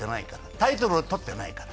タイトルをとってないから。